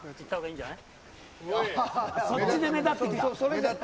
そっちで目立った。